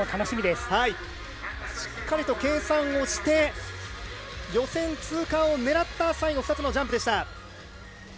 しっかりと計算をして予選通過を狙った最後、２つのジャンプでした。